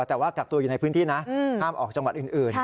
แต่ว่ากักตัวอยู่ในพื้นที่นะห้ามออกจังหวัดอื่น